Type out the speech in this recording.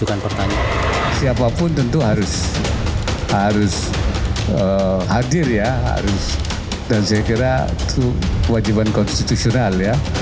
dan saya kira itu wajiban konstitusional ya